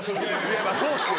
いやそうっすよ